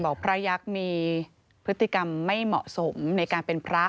พระยักษ์มีพฤติกรรมไม่เหมาะสมในการเป็นพระ